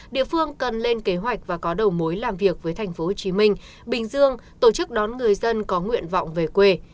địa phương cần lên kế hoạch và có đầu mối làm việc với tp hcm bình dương tổ chức đón người dân có nguyện vọng về quê